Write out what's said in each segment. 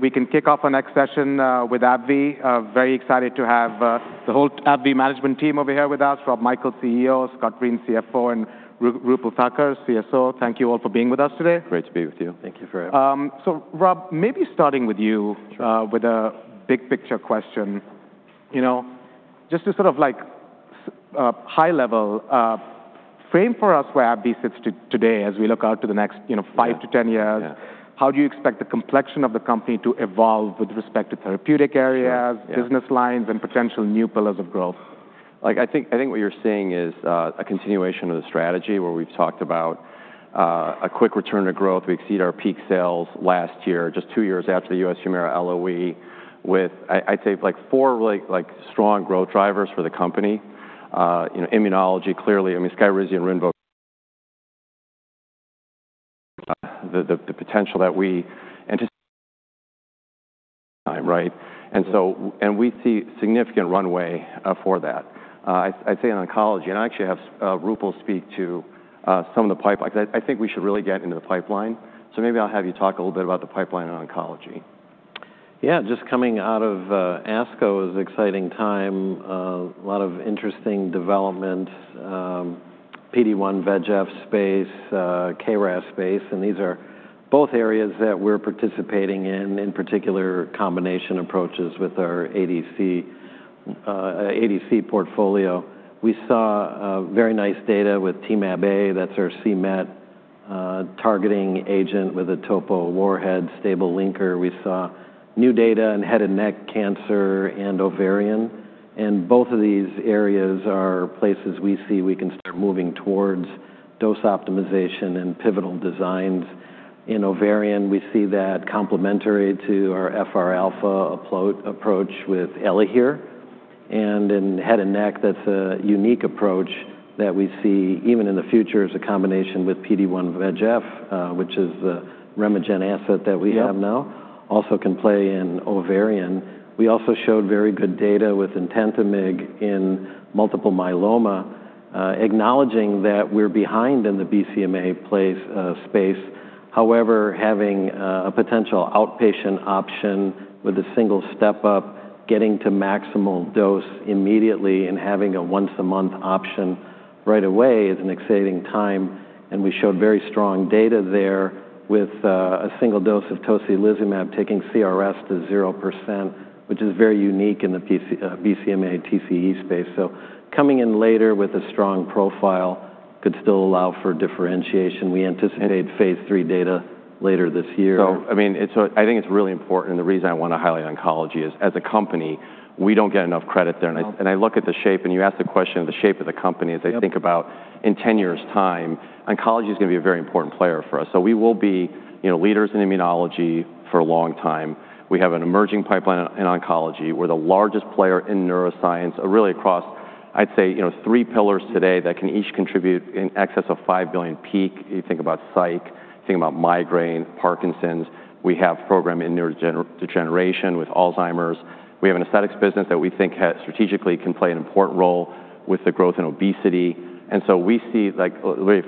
We can kick off our next session with AbbVie. Very excited to have the whole AbbVie management team over here with us, Rob Michael, CEO, Scott Reents, CFO, and Roopal Thakkar, CSO. Thank you all for being with us today. Great to be with you. Thank you for having us. Rob, maybe starting with you with a big picture question. Just to high level, frame for us where AbbVie sits today as we look out to the next five to 10 years. How do you expect the complexion of the company to evolve with respect to therapeutic areas- Business lines, potential new pillars of growth? I think what you're seeing is a continuation of the strategy where we've talked about a quick return to growth. We exceed our peak sales last year, just two years after the U.S. Humira LOE with, I'd say, four really strong growth drivers for the company. Immunology clearly, I mean, Skyrizi and Rinvoq, the potential that we Just time, right? We see significant runway for that. I'd say in oncology, and I'll actually have Roopal speak to some of the pipeline, because I think we should really get into the pipeline. Maybe I'll have you talk a little bit about the pipeline in oncology. Yeah, just coming out of ASCO is an exciting time. A lot of interesting development, PD-1, VEGF space, KRAS space. These are both areas that we're participating in particular combination approaches with our ADC portfolio. We saw very nice data with Temab-A, that's our c-Met targeting agent with a topo warhead stable linker. We saw new data in head and neck cancer and ovarian. Both of these areas are places we see we can start moving towards dose optimization and pivotal designs. In ovarian, we see that complementary to our FR alpha approach with ELAHERE. In head and neck, that's a unique approach that we see even in the future as a combination with PD-1 VEGF, which is the RemeGen asset that we have now, also can play in ovarian. We also showed very good data with etentamig in multiple myeloma, acknowledging that we're behind in the BCMA space. However, having a potential outpatient option with a single step-up, getting to maximal dose immediately, and having a once-a-month option right away is an exciting time. We showed very strong data there with a single dose of tocilizumab taking CRS to 0%, which is very unique in the BCMA TCE space. Coming in later with a strong profile could still allow for differentiation. We anticipate phase III data later this year. I think it's really important. The reason I want to highlight oncology is as a company, we don't get enough credit there. I look at the shape. You asked the question of the shape of the company. As I think about in 10 years' time, oncology is going to be a very important player for us. We will be leaders in immunology for a long time. We have an emerging pipeline in oncology. We're the largest player in neuroscience, really across, I'd say, three pillars today that can each contribute in excess of $5 billion peak. You think about psych, think about migraine, Parkinson's. We have a program in neurodegeneration with Alzheimer's. We have an aesthetics business that we think strategically can play an important role with the growth in obesity. We see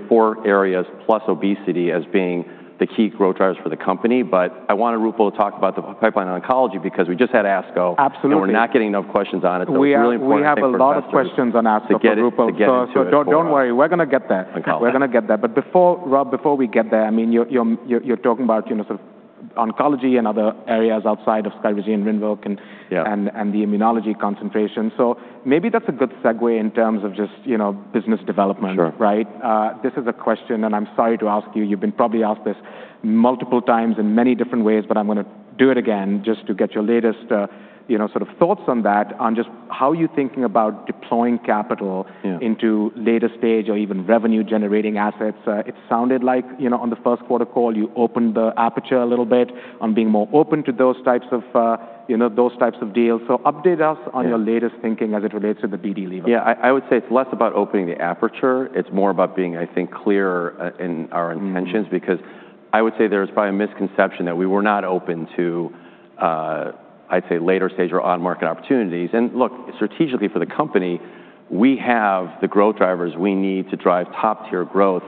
four areas plus obesity as being the key growth drivers for the company. I wanted Roopal to talk about the pipeline in oncology because we just had ASCO. Absolutely. We're not getting enough questions on it's really important I think for investors- We have a lot of questions on ASCO, Roopal To get into it for- Don't worry. We're going to get there Oncology. We're going to get there. Rob, before we get there, you're talking about sort of oncology and other areas outside of Skyrizi and Rinvoq. Yeah The immunology concentration. Maybe that's a good segue in terms of just business development. Sure. Right? This is a question, and I'm sorry to ask you've been probably asked this multiple times in many different ways, but I'm going to do it again just to get your latest thoughts on that, on just how you're thinking about deploying capital. Yeah. Into later stage or even revenue-generating assets. It sounded like on the first quarter call, you opened the aperture a little bit on being more open to those types of deals. Update us on your. Yeah Latest thinking as it relates to the BD lever. Yeah. I would say it's less about opening the aperture. It's more about being, I think, clearer in our intentions because I would say there's probably a misconception that we were not open to, I'd say, later stage or on-market opportunities. Look, strategically for the company, we have the growth drivers we need to drive top-tier growth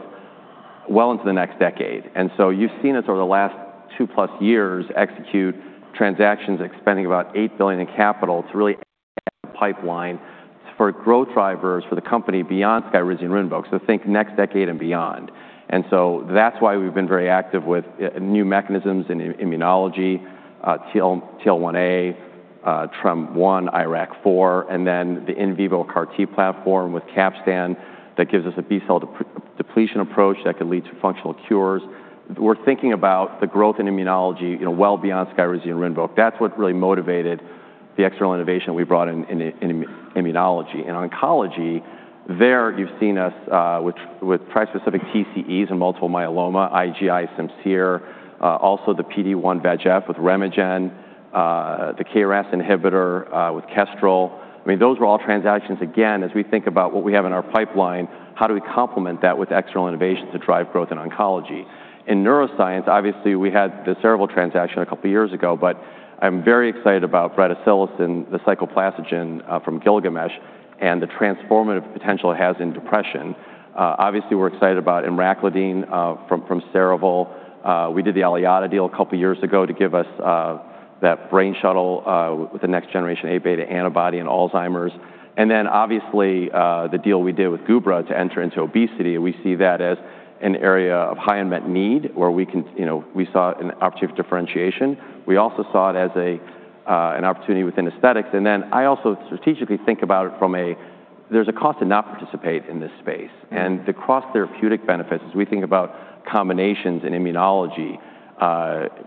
well into the next decade. You've seen us over the last 2+ years execute transactions expending about $8 billion in capital to really add to the pipeline for growth drivers for the company beyond Skyrizi and Rinvoq. Think next decade and beyond. That's why we've been very active with new mechanisms in immunology, TL1A, TREM1, IRAK4, and then the in vivo CAR T platform with Capstan that gives us a B-cell depletion approach that could lead to functional cures. We're thinking about the growth in immunology well beyond Skyrizi and Rinvoq. That's what really motivated the external innovation we brought in immunology. In oncology, there you've seen us with tri-specific TCEs in multiple myeloma, IGI, Simcere, also the PD-1 VEGF with RemeGen, the KRAS inhibitor with Kestrel. Those were all transactions, again, as we think about what we have in our pipeline, how do we complement that with external innovations to drive growth in oncology? In neuroscience, obviously we had the Cerevel transaction a couple of years ago, but I'm very excited about bretisilocin, the cycloplasgen from Gilgamesh, and the transformative potential it has in depression. Obviously, we're excited about emraclidine from Cerevel. We did the Aliada deal a couple of years ago to give us that brain shuttle with the next generation Aβ antibody and Alzheimer's. Obviously, the deal we did with Gubra to enter into obesity, we see that as an area of high unmet need where we saw an opportunity for differentiation. We also saw it as an opportunity within aesthetics. I also strategically think about it from a there's a cost to not participate in this space, and the cross-therapeutic benefits as we think about combinations in immunology,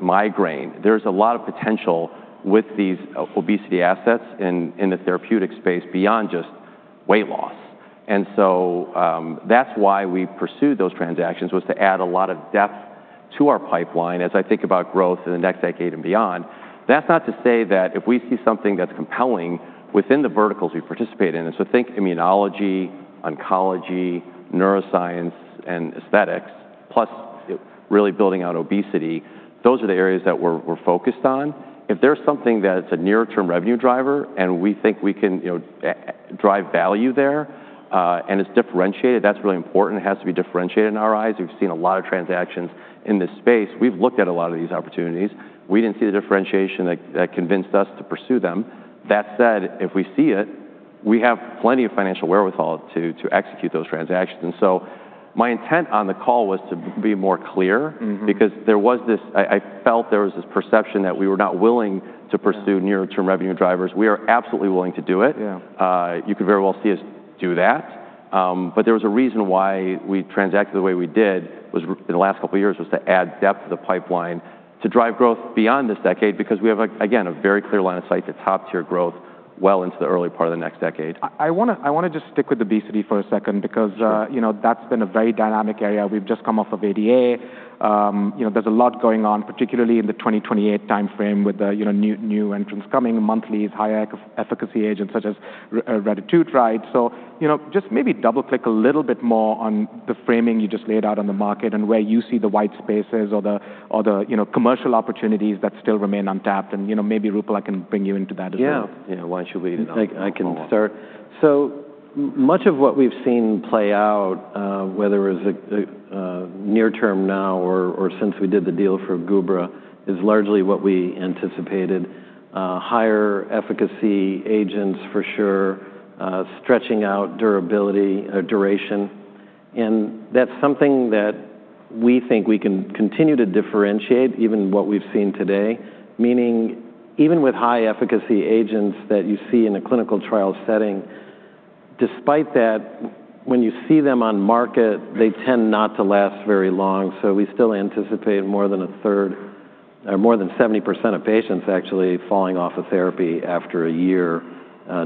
migraine. There's a lot of potential with these obesity assets in the therapeutic space beyond just weight loss. That's why we pursued those transactions, was to add a lot of depth to our pipeline as I think about growth in the next decade and beyond. That's not to say that if we see something that's compelling within the verticals we participate in. Think immunology, oncology, neuroscience, and aesthetics, plus really building out obesity, those are the areas that we're focused on. If there's something that's a near-term revenue driver and we think we can drive value there and it's differentiated, that's really important. It has to be differentiated in our eyes. We've seen a lot of transactions in this space. We've looked at a lot of these opportunities. We didn't see the differentiation that convinced us to pursue them. That said, if we see it, we have plenty of financial wherewithal to execute those transactions. My intent on the call was to be more clear because I felt there was this perception that we were not willing to pursue near-term revenue drivers. We are absolutely willing to do it. Yeah. You could very well see us do that. There was a reason why we transacted the way we did in the last couple of years, was to add depth to the pipeline to drive growth beyond this decade because we have, again, a very clear line of sight to top-tier growth well into the early part of the next decade. I want to just stick with obesity for a second. Sure that's been a very dynamic area. We've just come off of ADA. There's a lot going on, particularly in the 2028 timeframe with the new entrants coming, monthlies, higher efficacy agents such as retatrutide. Just maybe double-click a little bit more on the framing you just laid out on the market and where you see the white spaces or the commercial opportunities that still remain untapped, and maybe Roopal, I can bring you into that as well. Yeah. Why don't you lead it off? I can start. Much of what we've seen play out, whether it's near term now or since we did the deal for Gubra, is largely what we anticipated. Higher efficacy agents for sure, stretching out durability, duration, That's something that we think we can continue to differentiate even what we've seen today. Meaning even with high efficacy agents that you see in a clinical trial setting, despite that, when you see them on market, they tend not to last very long. We still anticipate more than 1/3 or more than 70% of patients actually falling off of therapy after a year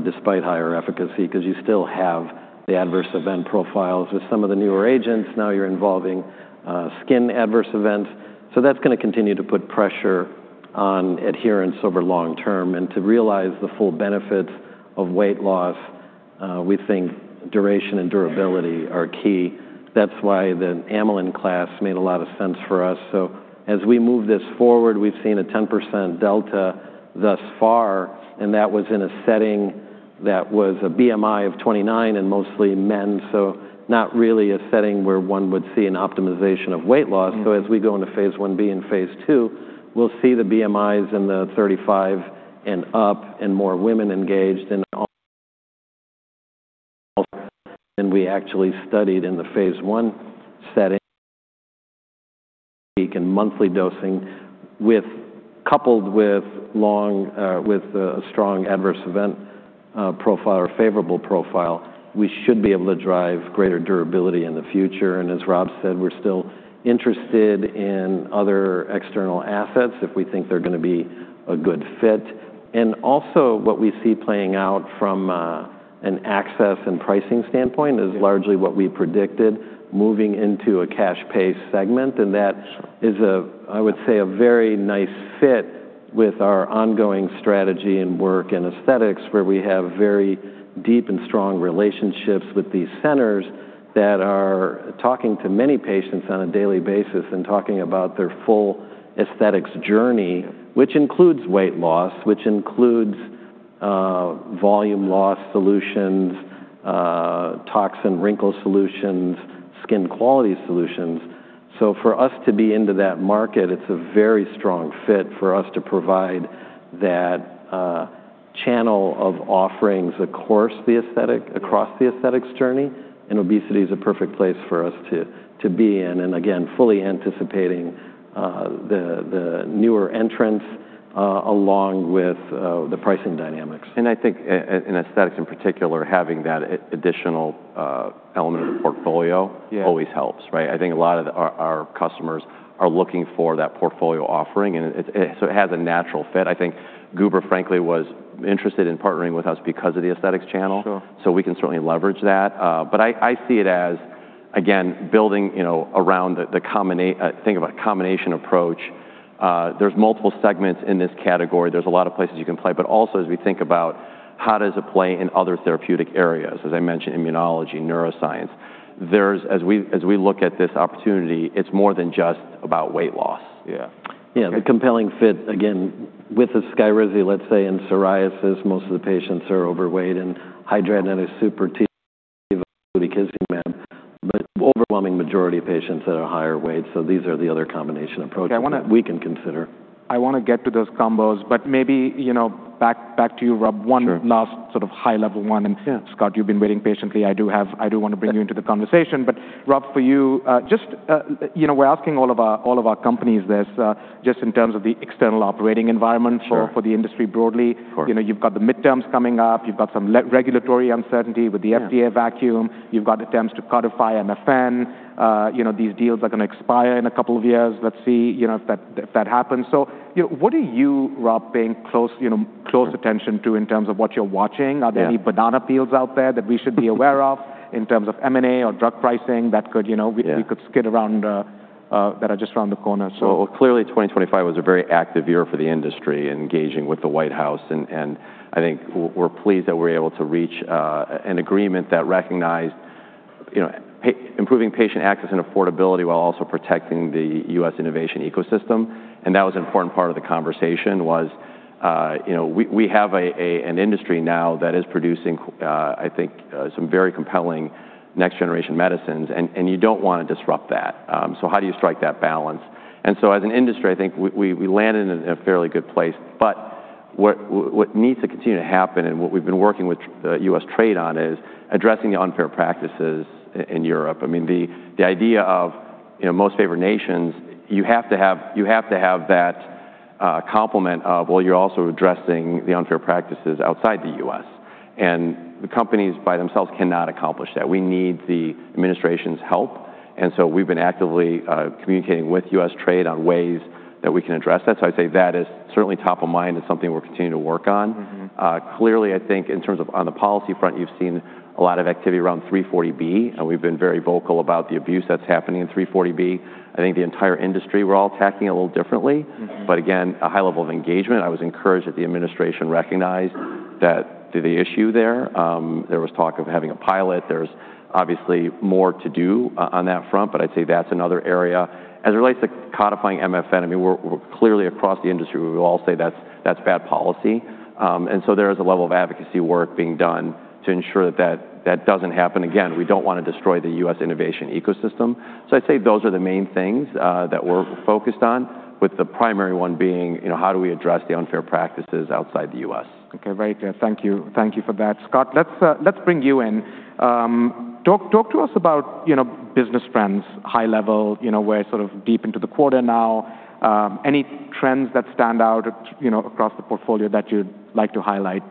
despite higher efficacy because you still have the adverse event profiles. With some of the newer agents, now you're involving skin adverse events. That's going to continue to put pressure on adherence over long term. To realize the full benefits of weight loss, we think duration and durability are key. That's why the amylin class made a lot of sense for us. As we move this forward, we've seen a 10% delta thus far, That was in a setting that was a BMI of 29 and mostly men, not really a setting where one would see an optimization of weight loss. As we go into phase I-B and phase II, we'll see the BMIs in the 35 and up and more women engaged than we actually studied in the phase I setting. Monthly dosing coupled with a strong adverse event profile or favorable profile, we should be able to drive greater durability in the future. As Rob said, we're still interested in other external assets if we think they're going to be a good fit. What we see playing out from an access and pricing standpoint is largely what we predicted, moving into a cash pay segment, and that is, I would say, a very nice fit with our ongoing strategy and work in aesthetics where we have very deep and strong relationships with these centers that are talking to many patients on a daily basis and talking about their full aesthetics journey, which includes weight loss, which includes volume loss solutions, toxin wrinkle solutions, skin quality solutions. For us to be into that market, it's a very strong fit for us to provide that channel of offerings across the aesthetics journey, and obesity is a perfect place for us to be in, again, fully anticipating the newer entrants along with the pricing dynamics. I think in aesthetics in particular, having that additional element of portfolio. Yeah Always helps, right? I think a lot of our customers are looking for that portfolio offering, so it has a natural fit. I think Gubra, frankly, was interested in partnering with us because of the aesthetics channel. Sure. We can certainly leverage that. I see it as, again, building around the combination approach. There's multiple segments in this category. There's a lot of places you can play, also as we think about how does it play in other therapeutic areas, as I mentioned, immunology, neuroscience. As we look at this opportunity, it's more than just about weight loss. Yeah. Yeah. The compelling fit, again, with the Skyrizi, let's say in psoriasis, most of the patients are overweight and hidradenitis suppurativa The overwhelming majority of patients that are higher weight. These are the other combination approaches. Okay, I want to. We can consider. I want to get to those combos, maybe back to you, Rob. Sure. One last high-level one. Yeah. Scott, you've been waiting patiently. I do want to bring you into the conversation. Rob, for you, we're asking all of our companies this, just in terms of the external operating environment. Sure For the industry broadly. Of course. You've got the midterms coming up. You've got some regulatory uncertainty. Yeah FDA vacuum. You've got attempts to codify MFN. These deals are going to expire in a couple of years. Let's see if that happens. What are you, Rob, paying close attention to in terms of what you're watching? Yeah. Are there any banana peels out there that we should be aware of in terms of M&A or drug pricing? Yeah Skid around, that are just around the corner? Clearly 2025 was a very active year for the industry, engaging with the White House, and I think we're pleased that we were able to reach an agreement that recognized improving patient access and affordability, while also protecting the U.S. innovation ecosystem, and that was an important part of the conversation was. We have an industry now that is producing, I think, some very compelling next-generation medicines, and you don't want to disrupt that. How do you strike that balance? As an industry, I think we landed in a fairly good place. What needs to continue to happen and what we've been working with U.S. Trade on is addressing the unfair practices in Europe. The idea of most favored nations, you have to have that complement of, well, you're also addressing the unfair practices outside the U.S., and the companies by themselves cannot accomplish that. We need the administration's help, and so we've been actively communicating with U.S. Trade on ways that we can address that. I'd say that is certainly top of mind as something we're continuing to work on. Clearly, I think in terms of on the policy front, you've seen a lot of activity around 340B, and we've been very vocal about the abuse that's happening in 340B. I think the entire industry, we're all attacking it a little differently. A high level of engagement. I was encouraged that the administration recognized that the issue there was talk of having a pilot. There's obviously more to do on that front, I'd say that's another area. As it relates to codifying MFN, clearly across the industry, we all say that's bad policy. There is a level of advocacy work being done to ensure that doesn't happen again. We don't want to destroy the U.S. innovation ecosystem. I'd say those are the main things that we're focused on, with the primary one being, how do we address the unfair practices outside the U.S.? Okay, very clear. Thank you for that. Scott, let's bring you in. Talk to us about business trends, high level. We're deep into the quarter now. Any trends that stand out across the portfolio that you'd like to highlight?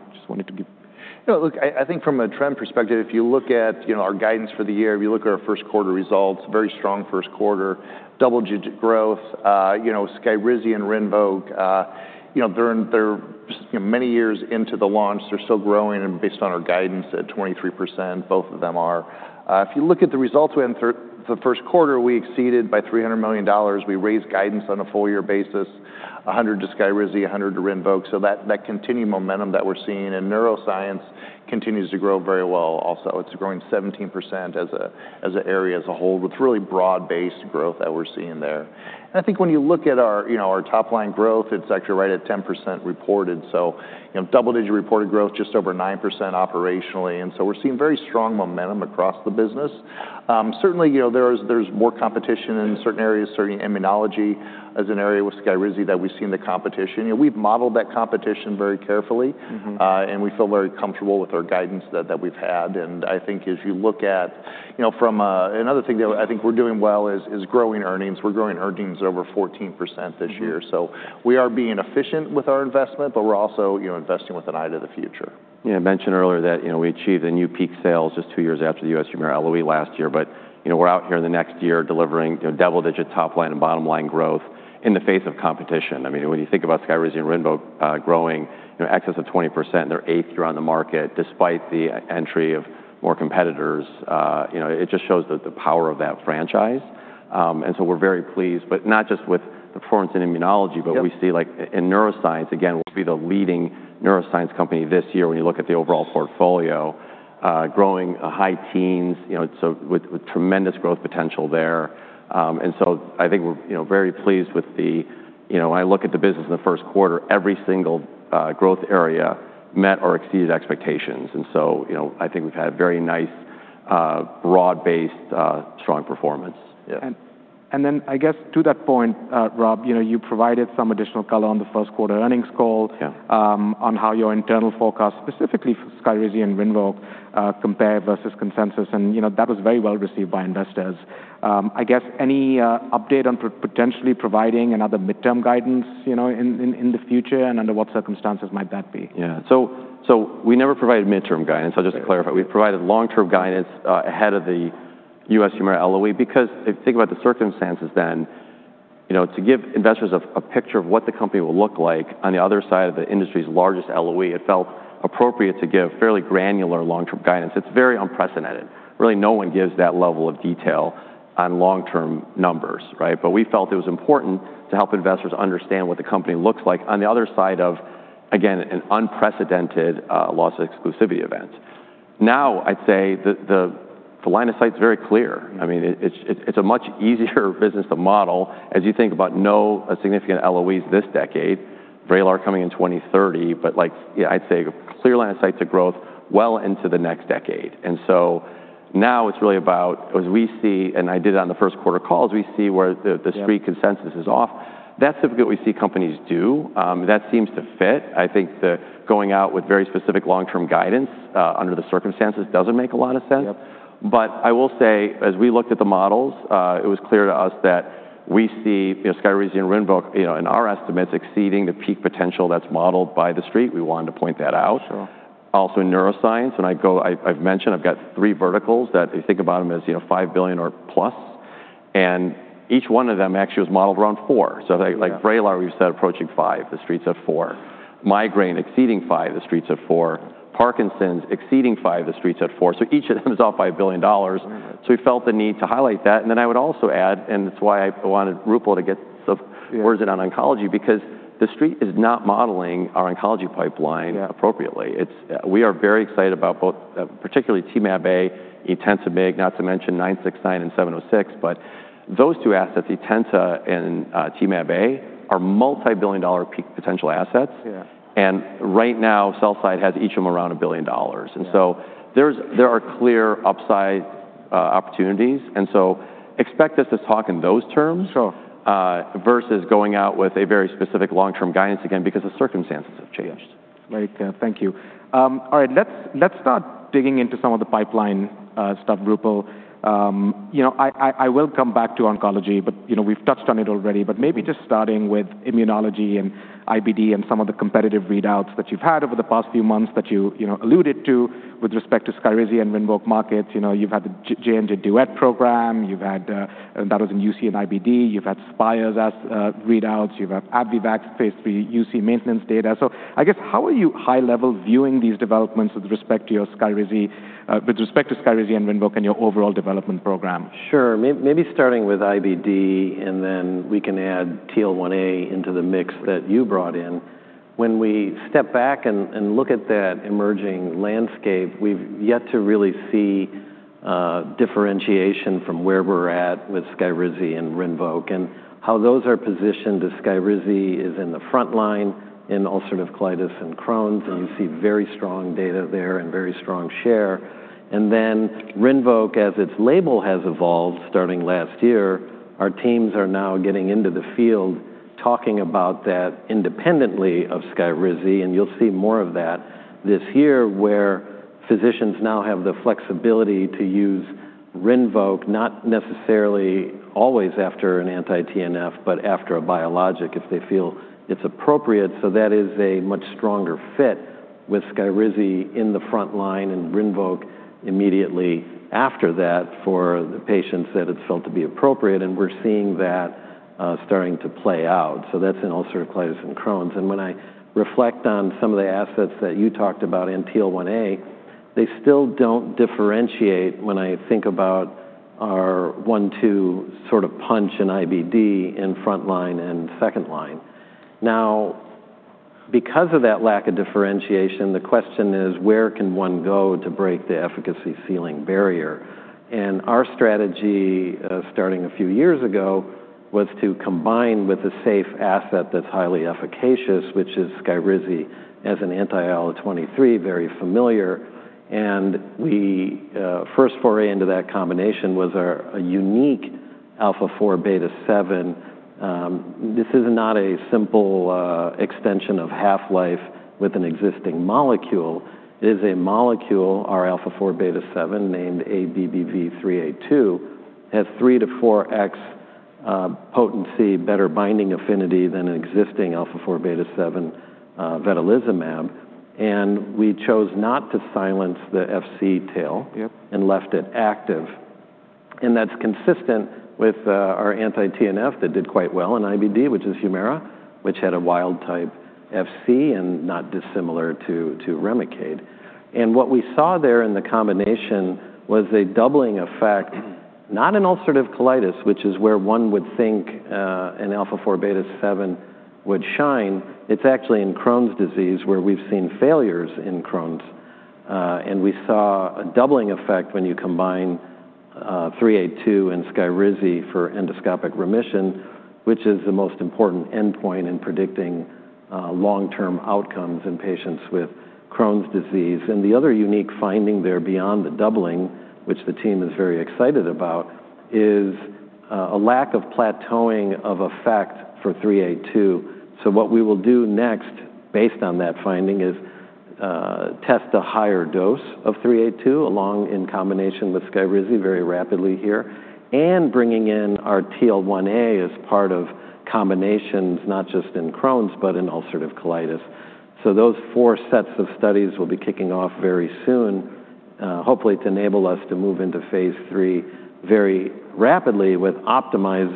I think from a trend perspective, if you look at our guidance for the year, if you look at our first quarter results, very strong first quarter, double-digit growth. Skyrizi and Rinvoq, they're many years into the launch. They're still growing, and based on our guidance at 23%, both of them are. If you look at the results we had in the first quarter, we exceeded by $300 million. We raised guidance on a full-year basis, $100 to Skyrizi, $100 to Rinvoq. That continued momentum that we're seeing, neuroscience continues to grow very well also. It's growing 17% as an area as a whole, with really broad-based growth that we're seeing there. I think when you look at our top-line growth, it's actually right at 10% reported, double-digit reported growth, just over 9% operationally, we're seeing very strong momentum across the business. Certainly, there's more competition in certain areas. Certainly, immunology is an area with Skyrizi that we've seen the competition. We've modeled that competition very carefully. We feel very comfortable with our guidance that we've had. Another thing that I think we're doing well is growing earnings. We're growing earnings over 14% this year. We are being efficient with our investment, but we're also investing with an eye to the future. I mentioned earlier that we achieved a new peak sales just two years after the U.S. Humira LOE last year, but we're out here in the next year delivering double-digit top-line and bottom-line growth in the face of competition. When you think about Skyrizi and Rinvoq growing in excess of 20% in their eighth year on the market, despite the entry of more competitors, it just shows the power of that franchise. We're very pleased, but not just with the performance in immunology- We see in neuroscience, again, we'll be the leading neuroscience company this year when you look at the overall portfolio, growing high teens with tremendous growth potential there. I think we're very pleased. When I look at the business in the first quarter, every single growth area met or exceeded expectations. I think we've had very nice, broad-based, strong performance. I guess to that point, Rob, you provided some additional color on the first quarter earnings call. Yeah On how your internal forecasts, specifically for Skyrizi and Rinvoq, compare versus consensus, and that was very well-received by investors. I guess any update on potentially providing another midterm guidance in the future, and under what circumstances might that be? Yeah. We never provided midterm guidance. I'll just clarify. We provided long-term guidance ahead of the U.S. Humira LOE because if you think about the circumstances then, to give investors a picture of what the company will look like on the other side of the industry's largest LOE, it felt appropriate to give fairly granular long-term guidance. It's very unprecedented. Really, no one gives that level of detail on long-term numbers, right? We felt it was important to help investors understand what the company looks like on the other side of, again, an unprecedented loss of exclusivity event. Now, I'd say The line of sight is very clear. It's a much easier business to model as you think about no significant LOEs this decade, Vraylar coming in 2030, I'd say a clear line of sight to growth well into the next decade. Now it's really about, as we see, and I did it on the first quarter calls, we see where the Yeah Street consensus is off. That's typically what we see companies do. That seems to fit. I think that going out with very specific long-term guidance under the circumstances doesn't make a lot of sense. Yep. I will say, as we looked at the models, it was clear to us that we see Skyrizi and Rinvoq in our estimates exceeding the peak potential that's modeled by the Street. We wanted to point that out. Sure. Also, neuroscience, I've mentioned I've got three verticals that they think about them as $5 billion or plus, each one of them actually was modeled around four. Like Vraylar, we've said approaching five, the Street's at four. Migraine exceeding five, the Street's at four. Parkinson's exceeding five, the Street's at four. Each of them is off by a billion dollars. Wow. We felt the need to highlight that. I would also add, and it's why I wanted Roopal to get some- Yeah. Words in on oncology because the Street is not modeling our oncology pipeline. Yeah Appropriately. We are very excited about both, particularly Temab-A, etentamig, not to mention ABBV-969 and ABBV-706, but those two assets, etentamig and Temab-A, are multi-billion dollar peak potential assets. Yeah. Right now, sell-side has each of them around $1 billion. Yeah. There are clear upside opportunities. Expect us to talk in those terms. Sure. versus going out with a very specific long-term guidance, again, because the circumstances have changed. Yeah. Great. Thank you. All right. Let's start digging into some of the pipeline stuff, Roopal. I will come back to oncology, but we've touched on it already, but maybe just starting with immunology and IBD and some of the competitive readouts that you've had over the past few months that you alluded to with respect to Skyrizi and Rinvoq markets. You've had the J&J DUET program, that was in UC and IBD. You've had Pfizer's readouts. You have AbbVie back phase III UC maintenance data. I guess, how are you high level viewing these developments with respect to Skyrizi and Rinvoq and your overall development program? Sure. Maybe starting with IBD, then we can add TL1A into the mix that you brought in. When we step back and look at that emerging landscape, we've yet to really see differentiation from where we're at with Skyrizi and Rinvoq, and how those are positioned as Skyrizi is in the frontline in ulcerative colitis and Crohn's, and you see very strong data there and very strong share. Rinvoq, as its label has evolved starting last year, our teams are now getting into the field talking about that independently of Skyrizi, and you'll see more of that this year, where physicians now have the flexibility to use Rinvoq not necessarily always after an anti-TNF, but after a biologic if they feel it's appropriate. That is a much stronger fit with Skyrizi in the frontline and Rinvoq immediately after that for the patients that it's felt to be appropriate, and we're seeing that starting to play out. That's in ulcerative colitis and Crohn's. When I reflect on some of the assets that you talked about in TL1A, they still don't differentiate when I think about our one-two sort of punch in IBD in frontline and second line. Because of that lack of differentiation, the question is: Where can one go to break the efficacy ceiling barrier? Our strategy, starting a few years ago, was to combine with a safe asset that's highly efficacious, which is Skyrizi as an anti-IL-23, very familiar. The first foray into that combination was a unique α4β7. This is not a simple extension of half-life with an existing molecule. It is a molecule, our α4β7, named ABBV-382, has 3x-4x potency, better binding affinity than an existing α4β7 vedolizumab. We chose not to silence the Fc tail. Yep. Left it active. That's consistent with our anti-TNF that did quite well in IBD, which is Humira, which had a wild type Fc and not dissimilar to REMICADE. What we saw there in the combination was a doubling effect, not in ulcerative colitis, which is where one would think an α4β7 would shine. It's actually in Crohn's disease, where we've seen failures in Crohn's. We saw a doubling effect when you combine 382 and Skyrizi for endoscopic remission, which is the most important endpoint in predicting long-term outcomes in patients with Crohn's disease. The other unique finding there beyond the doubling, which the team is very excited about, is a lack of plateauing of effect for 382. What we will do next based on that finding is test a higher dose of 382 along in combination with Skyrizi very rapidly here, bringing in our TL1A as part of combinations, not just in Crohn's, but in ulcerative colitis. Those four sets of studies will be kicking off very soon, hopefully to enable us to move into phase III very rapidly with optimized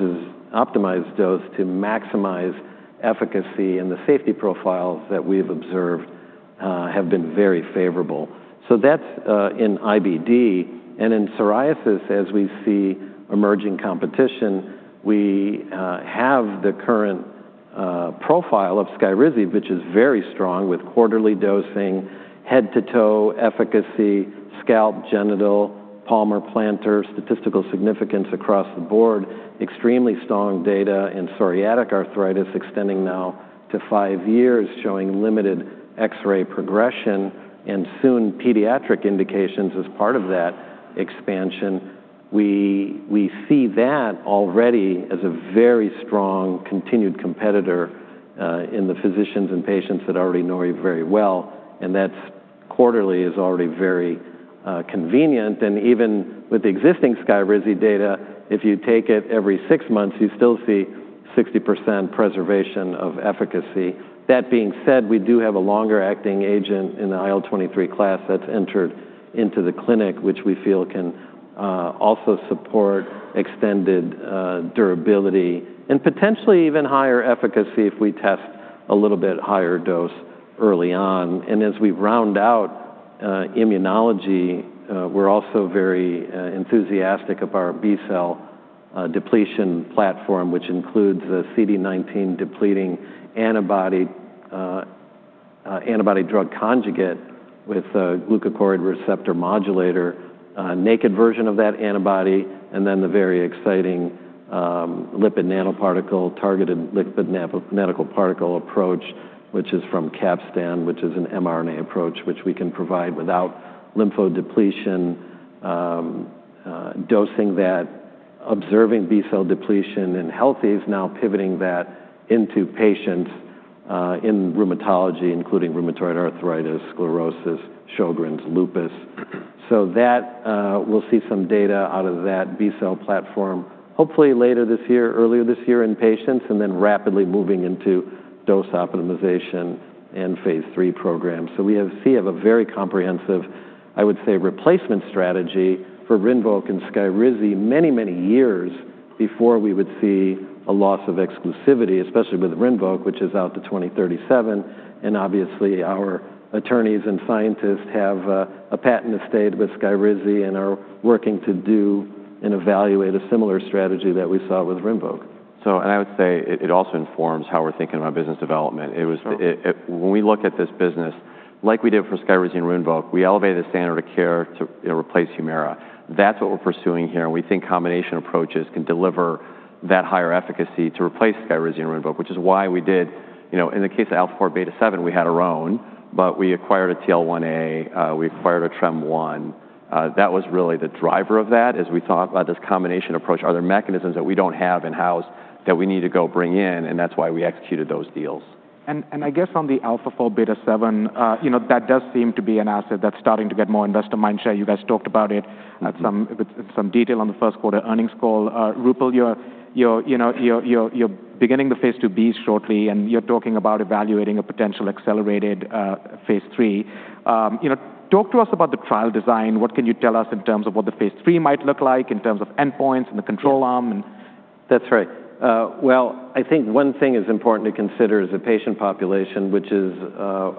dose to maximize efficacy. The safety profiles that we've observed have been very favorable. That's in IBD, in psoriasis, as we see emerging competition, we have the current profile of Skyrizi, which is very strong with quarterly dosing, head-to-toe efficacy, scalp, genital, palm or plantar statistical significance across the board, extremely strong data in psoriatic arthritis extending now to five years, showing limited X-ray progression, soon pediatric indications as part of that expansion. We see that already as a very strong continued competitor in the physicians and patients that already know it very well, that quarterly is already very convenient. Even with the existing Skyrizi data, if you take it every six months, you still see 60% preservation of efficacy. That being said, we do have a longer-acting agent in the IL-23 class that's entered into the clinic, which we feel can also support extended durability and potentially even higher efficacy if we test a little bit higher dose early on. As we round out immunology, we're also very enthusiastic of our B-cell depletion platform, which includes the CD19 depleting antibody drug conjugate with a glucocorticoid receptor modulator, a naked version of that antibody, and then the very exciting targeted lipid nanoparticle approach, which is from Capstan, which is an mRNA approach, which we can provide without lymphodepletion dosing that observing B-cell depletion in healthies, now pivoting that into patients in rheumatology, including rheumatoid arthritis, sclerosis, Sjögren's, lupus. We'll see some data out of that B-cell platform, hopefully later this year, earlier this year in patients, and then rapidly moving into dose optimization and phase III programs. We have a very comprehensive, I would say, replacement strategy for Rinvoq and Skyrizi many years before we would see a loss of exclusivity, especially with Rinvoq, which is out to 2037. Obviously, our attorneys and scientists have a patent estate with Skyrizi and are working to do and evaluate a similar strategy that we saw with Rinvoq. I would say it also informs how we're thinking about business development. When we look at this business like we did for Skyrizi and Rinvoq, we elevated the standard of care to replace Humira. That's what we're pursuing here, and we think combination approaches can deliver that higher efficacy to replace Skyrizi and Rinvoq, which is why we did. In the case of α4β7, we had our own, but we acquired a TL1A, we acquired a TREM1. That was really the driver of that as we thought about this combination approach. Are there mechanisms that we don't have in-house that we need to go bring in? That's why we executed those deals. I guess on the α4β7, that does seem to be an asset that's starting to get more investor mindshare. You guys talked about it with some detail on the first quarter earnings call. Roopal, you're beginning the phase II-B shortly, and you're talking about evaluating a potential accelerated phase III. Talk to us about the trial design. What can you tell us in terms of what the phase III might look like in terms of endpoints and the control arm? That's right. Well, I think one thing that's important to consider is the patient population, which is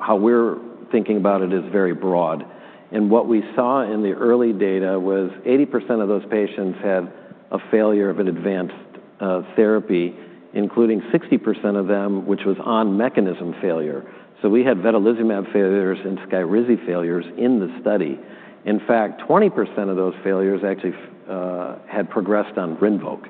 how we're thinking about it is very broad. What we saw in the early data was 80% of those patients had a failure of an advanced therapy, including 60% of them, which was on mechanism failure. We had vedolizumab failures and Skyrizi failures in the study. In fact, 20% of those failures actually had progressed on Rinvoq.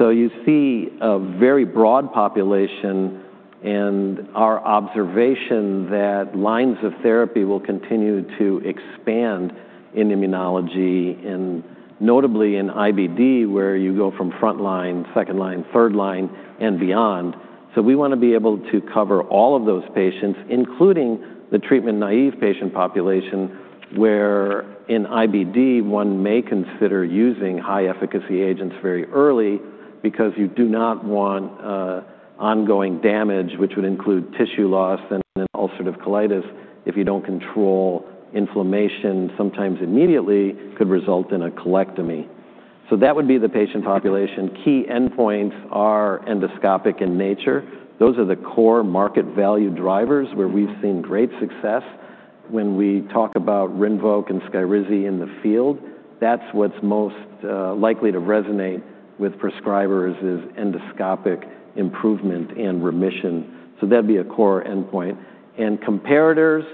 You see a very broad population, and our observation that lines of therapy will continue to expand in immunology and notably in IBD, where you go from frontline, second line, third line, and beyond. We want to be able to cover all of those patients, including the treatment-naive patient population, where in IBD, one may consider using high-efficacy agents very early because you do not want ongoing damage, which would include tissue loss and then ulcerative colitis. If you don't control inflammation, sometimes immediately could result in a colectomy. That would be the patient population. Key endpoints are endoscopic in nature. Those are the core market value drivers where we've seen great success. When we talk about Rinvoq and Skyrizi in the field, that's what's most likely to resonate with prescribers is endoscopic improvement and remission. That'd be a core endpoint. Comparators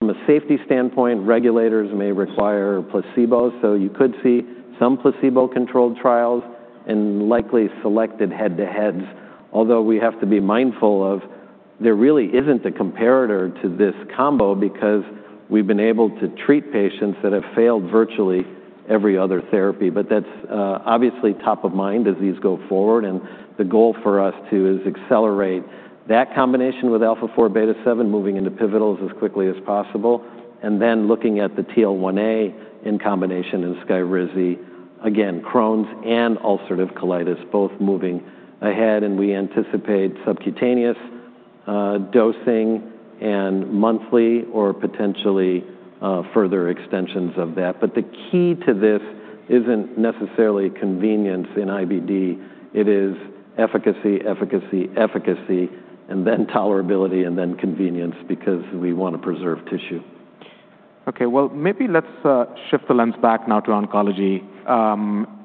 from a safety standpoint, regulators may require placebos. You could see some placebo-controlled trials and likely selected head-to-heads. Although we have to be mindful of there really isn't a comparator to this combo because we've been able to treat patients that have failed virtually every other therapy. That's obviously top of mind as these go forward, and the goal for us, too, is to accelerate that combination with α4β7 moving into pivotals as quickly as possible, then looking at the TL1A in combination in Skyrizi. Again, Crohn's and ulcerative colitis both moving ahead, and we anticipate subcutaneous dosing and monthly or potentially further extensions of that. The key to this isn't necessarily convenience in IBD. It is efficacy, efficacy, and then tolerability, and then convenience because we want to preserve tissue. Okay. Well, maybe let's shift the lens back now to oncology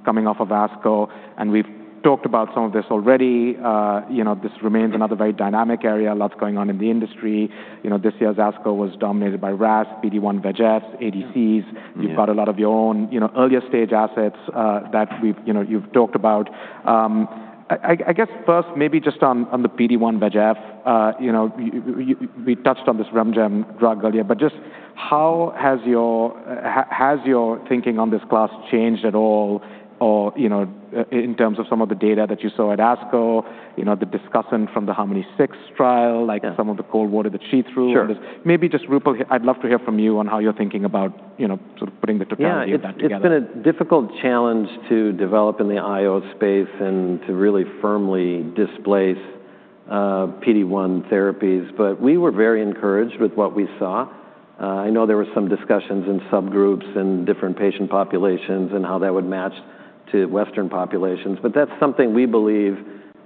coming off of ASCO, and we've talked about some of this already. This remains another very dynamic area, lots going on in the industry. This year's ASCO was dominated by RAS, PD-1/VEGF, ADCs. Yeah. You've got a lot of your own earlier stage assets that you've talked about. I guess first maybe just on the PD-1/VEGF, we touched on this RemeGen drug earlier, but just how has your thinking on this class changed at all, or in terms of some of the data that you saw at ASCO, the discussion from the HARMONY-06 trial. Yeah Some of the cold water that she threw. Sure. Maybe just Roopal, I'd love to hear from you on how you're thinking about putting the totality of that together. Yeah. It has been a difficult challenge to develop in the IO space and to really firmly displace PD-1 therapies. We were very encouraged with what we saw. I know there were some discussions in subgroups and different patient populations and how that would match to Western populations, but that is something we believe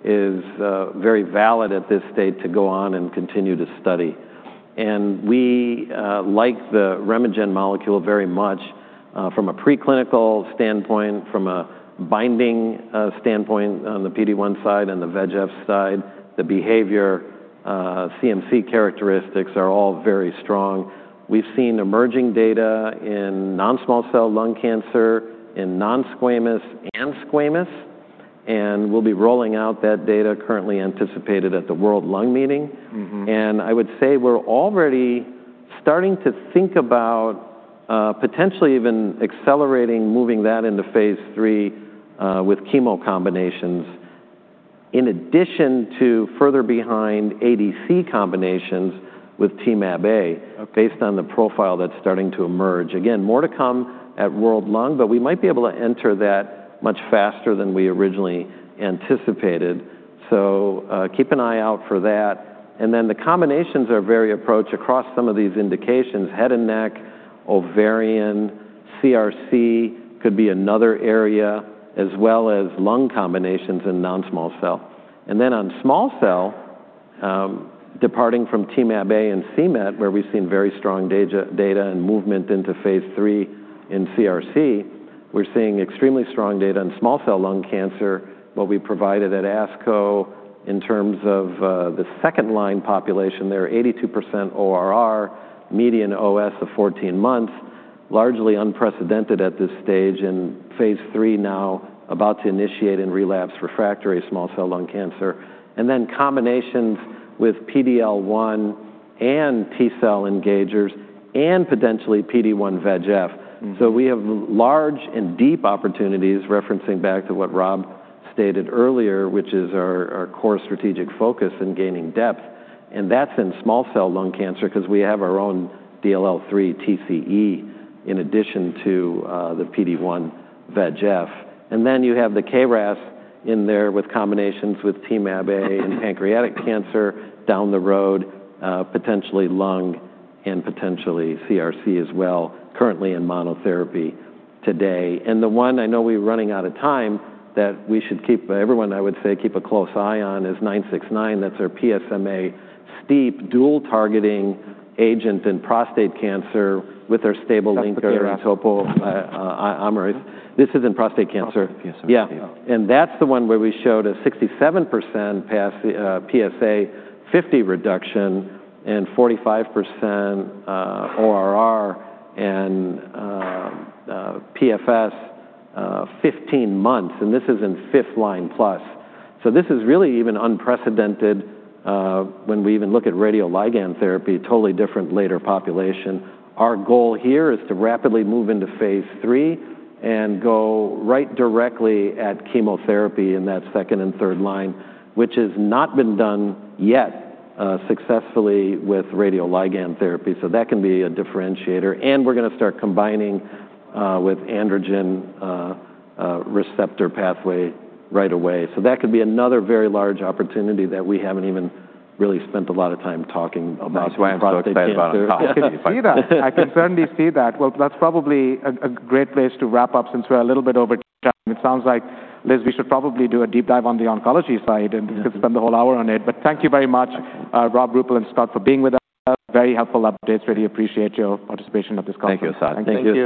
is very valid at this stage to go on and continue to study. We like the RemeGen molecule very much from a preclinical standpoint, from a binding standpoint on the PD-1 side and the VEGF side, the behavior, CMC characteristics are all very strong. We have seen emerging data in non-small cell lung cancer, in non-squamous and squamous, and we will be rolling out that data currently anticipated at the World Lung meeting. I would say we are already starting to think about potentially even accelerating moving that into phase III with chemo combinations, in addition to further behind ADC combinations with Temab-A based on the profile that is starting to emerge. Again, more to come at World Lung, but we might be able to enter that much faster than we originally anticipated. So, keep an eye out for that. The combinations are very approached across some of these indications, head and neck, ovarian, CRC could be another area, as well as lung combinations in non-small cell. On small cell, departing from Temab-A and c-MET, where we have seen very strong data and movement into phase III in CRC, we are seeing extremely strong data in small cell lung cancer. What we provided at ASCO in terms of the second-line population there, 82% ORR, median OS of 14 months, largely unprecedented at this stage. Phase III now about to initiate in relapse refractory small cell lung cancer. Combinations with PD-L1 and T-cell engagers and potentially PD-1/VEGF. We have large and deep opportunities, referencing back to what Rob stated earlier, which is our core strategic focus in gaining depth, and that is in small cell lung cancer because we have our own DLL3 TCE in addition to the PD-1 VEGF. You have the KRAS in there with combinations with Temab-A and pancreatic cancer down the road, potentially lung and potentially CRC as well, currently in monotherapy today. The one I know we are running out of time that we should keep, everyone, I would say, keep a close eye on is 969. That is our PSMA STEAP1 dual targeting agent in prostate cancer with our stable linker- That's the KRAS? This is in prostate cancer. Prostate cancer. Yeah. Oh. That's the one where we showed a 67% PSA50 reduction and 45% ORR and PFS 15 months, and this is in fifth line plus. This is really even unprecedented when we even look at radioligand therapy, totally different later population. Our goal here is to rapidly move into phase III and go right directly at chemotherapy in that second and third line, which has not been done yet successfully with radioligand therapy. That can be a differentiator. We're going to start combining with androgen receptor pathway right away. That could be another very large opportunity that we haven't even really spent a lot of time talking about. That's why I'm so excited about it. I can see that. I can certainly see that. That's probably a great place to wrap up since we're a little bit over time. It sounds like, Liz, we should probably do a deep dive on the oncology side and could spend the whole hour on it. Thank you very much, Rob, Roopal, and Scott, for being with us. Very helpful updates. Really appreciate your participation of this conference. Thank you, Asad. Thank you.